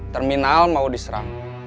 terminal mau diserang